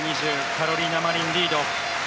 カロリナ・マリン、リード。